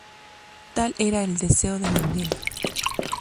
Tal era el deseo de Mandela.